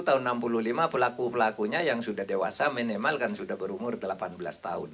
tahun seribu sembilan ratus lima pelaku pelakunya yang sudah dewasa minimal kan sudah berumur delapan belas tahun